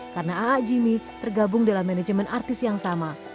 karena a a jimmy tergabung dalam manajemen artis yang sama